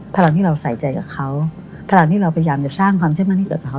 พลังที่เราใส่ใจกับเขาพลังที่เราพยายามจะสร้างความเชื่อมั่นให้กับเขา